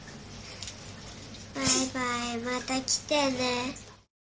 バイバイ、また来てね。